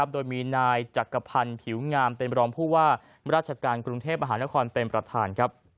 โดยมีนายจักรพันธ์ผิวงามเป็นรองผู้ว่าราชการกรุงเทพมหานครเป็นประธาน